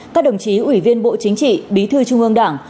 các đồng chí ủy viên bộ chính trị bí thư trung ương đảng